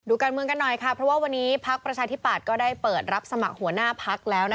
การเมืองกันหน่อยค่ะเพราะว่าวันนี้พักประชาธิปัตย์ก็ได้เปิดรับสมัครหัวหน้าพักแล้ว